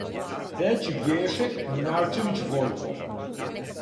Треће бјеше Мрњавчевић Гојко;